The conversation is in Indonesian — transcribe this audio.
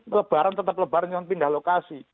lebaran tetap lebaran cuma pindah lokasi